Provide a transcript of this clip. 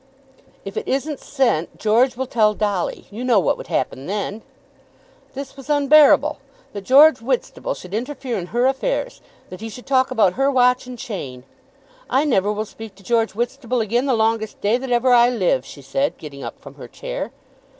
"If it isn't sent George will tell Dolly. You know what would happen then." This was unbearable! That George Whitstable should interfere in her affairs, that he should talk about her watch and chain. "I never will speak to George Whitstable again the longest day that ever I live," she said, getting up from her chair.